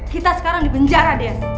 kita sekarang di penjara des